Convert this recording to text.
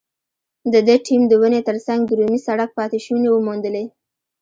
د ده ټیم د ونې تر څنګ د رومي سړک پاتې شونې وموندلې.